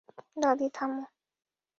দাদী, থামো!